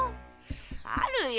あるよ。